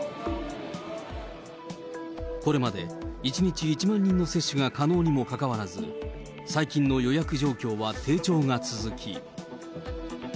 これまで、１日１万人の接種が可能にもかかわらず、最近の予約状況は低調が続き。